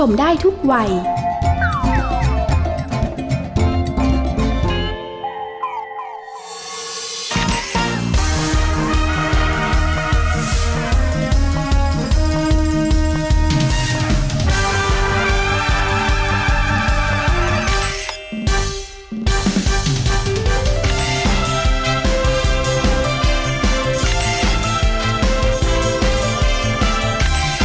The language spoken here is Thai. มาบานผสมบาล